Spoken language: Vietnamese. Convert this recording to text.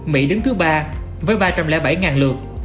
mỹ đứng thứ ba với ba trăm linh bảy lượt